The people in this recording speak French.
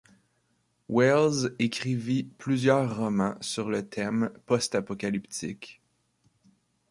Wells écrivit plusieurs romans sur le thème post-apocalyptique.